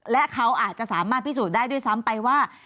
และเขาอาจจะสามารถพิสูจน์ได้ด้วยซ้ำไปว่า